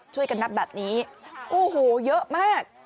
ช่วยกันนับแบบนี้โอ้โหเยอะมาก